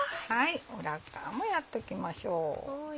裏側もやっておきましょう。